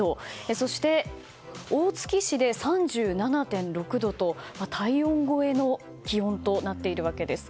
そして、大月市で３７．６度と体温超えの気温となっているわけです。